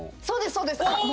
そうですそうです！